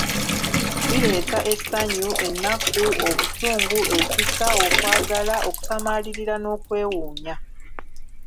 Bireeta essanyu, ennaku, obusungu, ekisa, okwagala, okusamalirira n'okwewuunya.